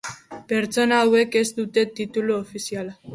Pertsonak hauek ez dute titulazio ofiziala.